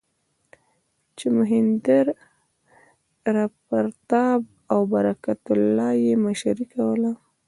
چې مهیندراپراتاپ او برکت الله یې مشري کوله.